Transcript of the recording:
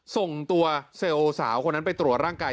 ส่งตัวเซลล์สาวคนนั้นไปตรวจร่างกาย